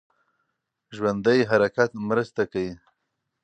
ژوندی حرکت مرسته کوي.